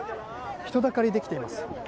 人だかりができています。